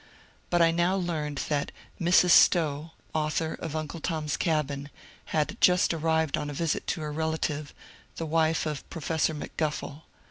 But I now learned that Mrs. Stowe, author of " Uncle Tom's Cabin," had just arrived on a visit to her relative, the wife of Professor McGuffie.